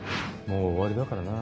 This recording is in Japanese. もう終わりだからな。